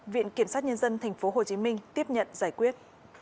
viện kiểm sát nhân dân tp hcm tiếp nhận giải quyết